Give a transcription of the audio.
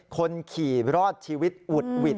คนขี่รอดชีวิตอุดหวิด